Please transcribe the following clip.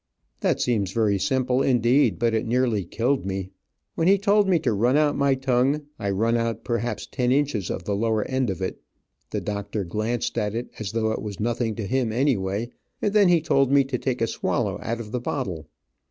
That seems very simple, indeed, but it nearly killed me. When he told me to run out my tongue, I run out perhaps six inches of the lower end of it, the doctor glanced at it as though it was nothing to him anyway, and then he told me to take a swallow out of the bottle.